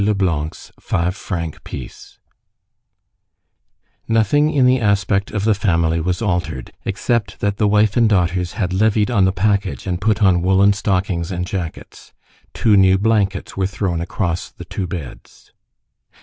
LEBLANC'S FIVE FRANC PIECE Nothing in the aspect of the family was altered, except that the wife and daughters had levied on the package and put on woollen stockings and jackets. Two new blankets were thrown across the two beds.